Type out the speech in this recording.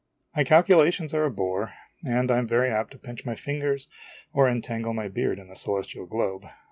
My calculations are a bore ; and I am very apt to pinch my fingers or entangle my beard in the celestial globe.